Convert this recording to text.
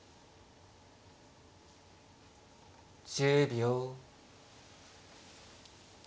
１０秒。